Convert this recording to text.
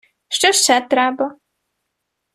Що ще треба?